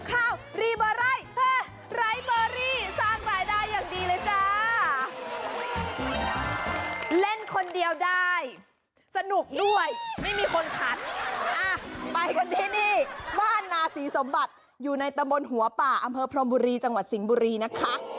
เห้อไลเบอรี่สร้างปลายได้อย่างดีเลยจ๊าห์